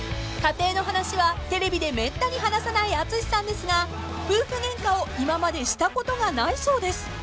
［家庭の話はテレビでめったに話さない淳さんですが夫婦ゲンカを今までしたことがないそうです］